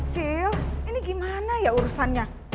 sil ini gimana ya urusannya